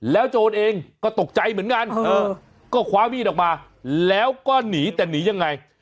โจรเองก็ตกใจเหมือนกันก็คว้ามีดออกมาแล้วก็หนีแต่หนียังไง